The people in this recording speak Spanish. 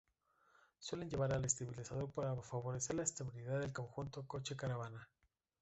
Suelen llevar un estabilizador para favorecer la estabilidad del conjunto coche-caravana.